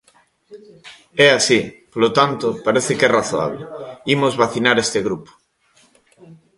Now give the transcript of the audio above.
É así; polo tanto, parece que é razoable, imos vacinar este grupo.